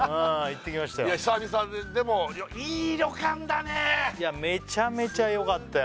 はいいや久々ででもいい旅館だねいやめちゃめちゃよかったよ